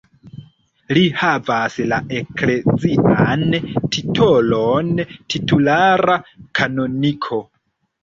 Li havas la eklezian titolon titulara kanoniko.